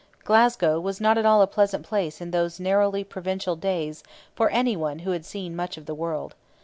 Glasgow was not at all a pleasant place in those narrowly provincial days for any one who had seen much of the world.